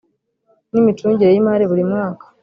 n izimicungire y imari burimwaka